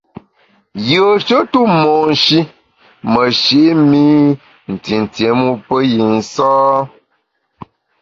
Yùeshe tu monshi meshi’ mi ntintié mu pe yi nsâ.